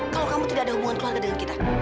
kalau kamu tidak ada hubungan keluarga dengan kita